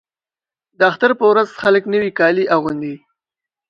د اختر په ورځ خلک نوي کالي اغوندي.